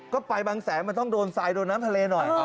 ก็ไปบางแสนมันต้องโดนทรายโดนน้ำทะเลหน่อย